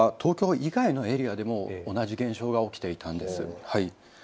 実は東京以外のエリアでも同じ現象が起きていたんです。